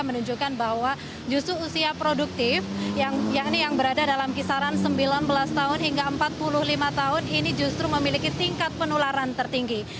menunjukkan bahwa justru usia produktif yang berada dalam kisaran sembilan belas tahun hingga empat puluh lima tahun ini justru memiliki tingkat penularan tertinggi